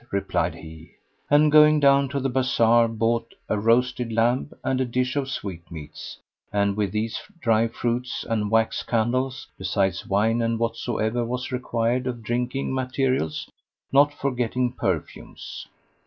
replied he; and, going down to the bazar, bought a roasted lamb and a dish of sweetmeats and with these dry fruits and wax candles, besides wine and whatsoever was required of drinking materials, not forgetting perfumes.